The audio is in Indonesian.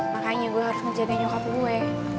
makanya gue harus menjaga nyokop gue